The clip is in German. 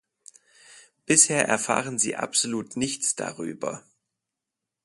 Bisher erfahren sie absolut nichts darüber!